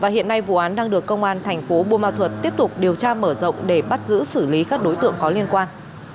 hiện nay vụ án đang được công an thành phố buôn ma thuật tiếp tục điều tra mở rộng để bắt giữ xử lý các đối tượng có liên quan